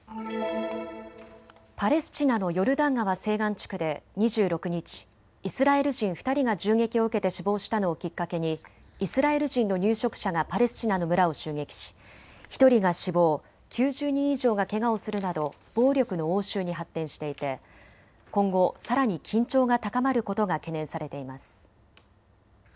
パレスチナのヨルダン川西岸地区で２６日、イスラエル人２人が銃撃を受けて死亡したのをきっかけにイスラエル人の入植者がパレスチナの村を襲撃し１人が死亡、９０人以上がけがをするなど暴力の応酬に発展していて今後さらに緊張が高まることが懸念されています。